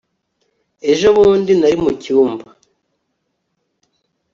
ejobundi nari mucyumba